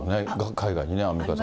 海外にね、アンミカさんね。